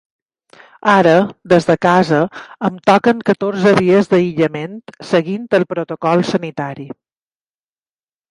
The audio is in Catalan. Ara, des de casa em toquen catorze dies d'aïllament seguint el protocol sanitari.